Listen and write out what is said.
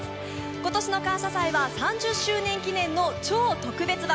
今年の「感謝祭」は３０周年記念の超特別版。